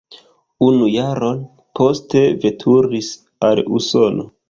Unu jaron poste veturis al Usono.